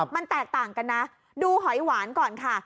มันแตกต่างกันนะดูหอยหวานก่อนค่ะ